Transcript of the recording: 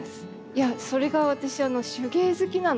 いやそれが私手芸好きなので。